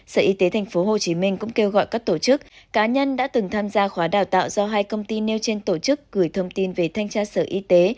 sở y tế tp hcm cũng kêu gọi các tổ chức cá nhân đã từng tham gia khóa đào tạo do hai công ty nêu trên tổ chức gửi thông tin về thanh tra sở y tế